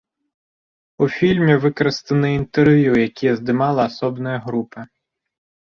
У фільме выкарыстаныя інтэрв'ю, якія здымала асобная група.